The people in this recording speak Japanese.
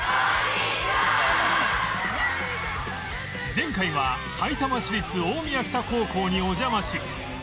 前回はさいたま市立大宮北高校にお邪魔し